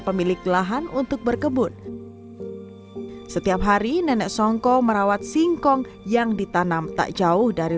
pemilik lahan untuk berkebun setiap hari nenek songko merawat singkong yang ditanam tak jauh dari